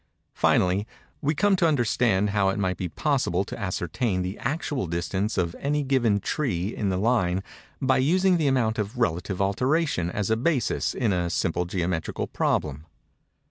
Finally, we come to understand how it might be possible to ascertain the actual distance of any given tree in the line, by using the amount of relative alteration as a basis in a simple geometrical problem.